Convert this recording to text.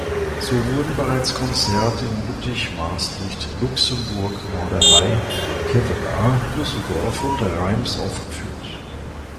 So wurden bereits Konzerte in Lüttich, Maastricht, Luxemburg, Norderney, Kevelaer, Düsseldorf und Reims aufgeführt.